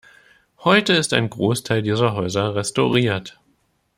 Heute ist ein Großteil dieser Häuser restauriert.